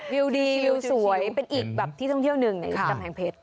วิวดีวิวสวยเป็นอีกแบบที่ท่องเที่ยวหนึ่งในกำแพงเพชร